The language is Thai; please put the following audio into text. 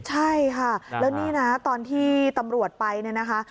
ใช่ค่ะแล้วนี่นะตอนที่ตำรวจไปเนี่ยนะคะ